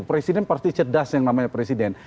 presiden pasti cerdas yang namanya presiden